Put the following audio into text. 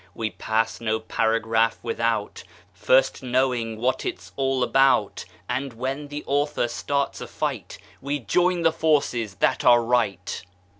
We pass no paragraph without First knowing what it's all about, And when the author starts a fight We join the forces that are right.